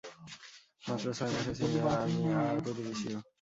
মাত্র ছয় মাসের সিনিয়র আমি আর প্রতিবেশীও।